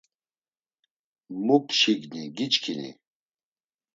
Mu pşigni giçkini?